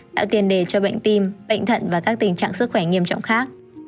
tạo tiền đề cho bệnh tim bệnh thận và các tình trạng sức khỏe nghiêm trọng khác